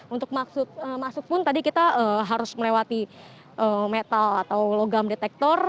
untuk masuk pun tadi kita harus melewati metal atau logam detektor